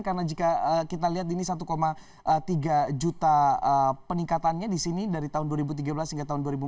karena jika kita lihat ini satu tiga juta peningkatannya di sini dari tahun dua ribu tiga belas hingga tahun dua ribu empat belas